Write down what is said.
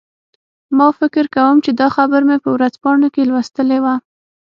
ما فکر کوم چې دا خبر مې په ورځپاڼو کې لوستی و